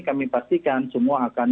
kami pastikan semua akan